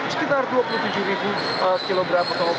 sekitar dua puluh tujuh kg